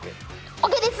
ＯＫです。